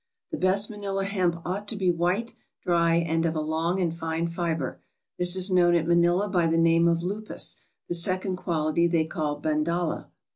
] The best Manila hemp ought to be white, dry, and of a long and fine fiber. This is known at Manila by the name of lupis ; the second quality they call bandala.